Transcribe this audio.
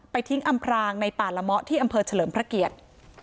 ทิ้งอำพรางในป่าละเมาะที่อำเภอเฉลิมพระเกียรติ